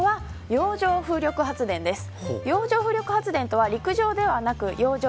洋上風力発電は陸上ではなく洋上